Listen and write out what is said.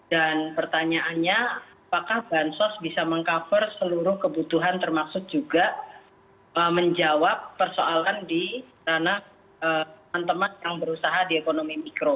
dan pertanyaannya apakah bansos bisa meng cover seluruh kebutuhan termasuk juga menjawab persoalan di tanah teman teman yang berusaha di ekonomi mikro